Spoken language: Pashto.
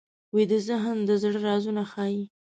ویده ذهن د زړه رازونه ښيي